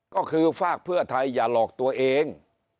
ก็คือฝากเพื่อไทยอย่าหลอกตัวเอง